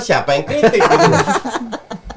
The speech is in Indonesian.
siapa yang kritik